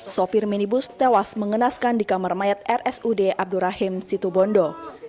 sopir minibus tewas mengenaskan di kamar mayat rsud abdurrahim situbondo